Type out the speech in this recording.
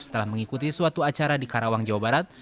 setelah mengikuti suatu acara di karawang jawa barat